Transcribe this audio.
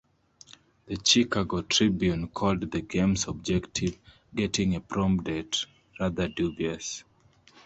The Chicago Tribune called the game's objective, getting a prom date, "rather dubious".